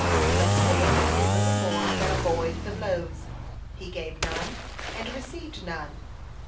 But Dandy did little more than avoid the blows; he gave none, and received none.